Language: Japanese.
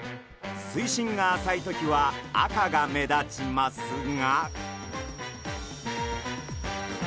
水深が浅い時は赤が目立ちますが。